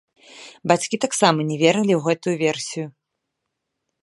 Бацькі таксама не верылі ў гэтую версію.